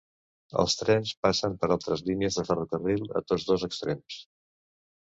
Els trens passen per altres línies de ferrocarril a tots dos extrems.